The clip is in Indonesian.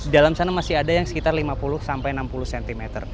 dalam sana masih ada yang sekitar lima puluh sampai enam puluh cm